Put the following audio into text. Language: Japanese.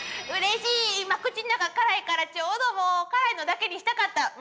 うれしい今口ん中辛いからちょうどもう辛いのだけにしたかった！